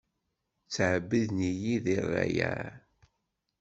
Ttɛebbiden-iyi di rrayeɛ.